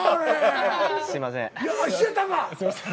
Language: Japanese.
すいません。